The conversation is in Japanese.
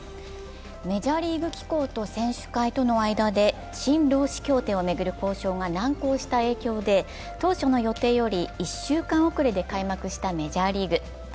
メジャーリーグ機構と選手会との間で新労使協定を巡る交渉が難航した影響で当初の予定より１週間遅れで開幕したメジャーリーグ。